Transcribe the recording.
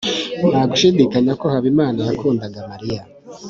nta gushidikanya ko habimana yakundaga mariya